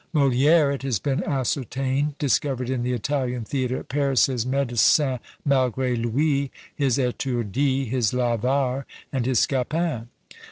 MoliÃẀre, it has been ascertained, discovered in the Italian theatre at Paris his "Médecin malgré lui," his "Etourdi," his "L'Avare," and his "Scapin."